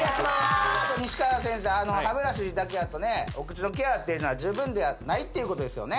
歯ブラシだけやとねお口のケアっていうのは十分ではないっていうことですよね